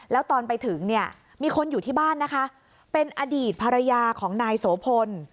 แล้วตอนไปถึงเนี่ยมีคนอยู่ที่บ้านนะคะเป็นอดีตภรรยาของนายโสพล